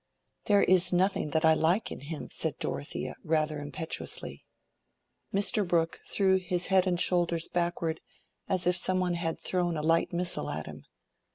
"There is nothing that I like in him," said Dorothea, rather impetuously. Mr. Brooke threw his head and shoulders backward as if some one had thrown a light missile at him.